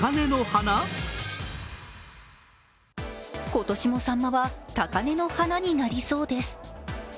今年もさんまは高根の花になりそうです。